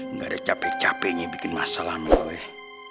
nggak ada capek capeknya bikin masa lama weh